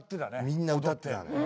みんな歌ってた。